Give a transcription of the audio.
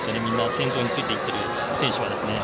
先頭についていってる選手は。